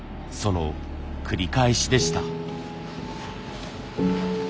その繰り返しでした。